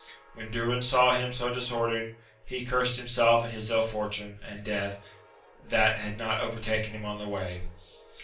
When Durin saw him so disordered, he cursed himself and his ill fortune, and death, that had not overtaken him on the way.